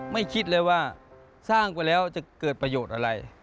คิดเลยว่าสร้างไปแล้วจะเกิดประโยชน์อะไร